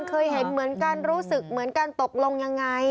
เคยเห็นเหมือนกันรู้สึกเหมือนกันตกลงยังไง